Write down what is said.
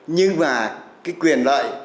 nhưng mà cái quyền lợi